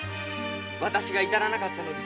私が至らなかったのです。